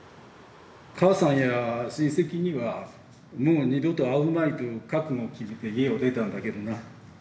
母さんや親戚にはもう二度と会うまいと覚悟を決めて家を出たんだけどな。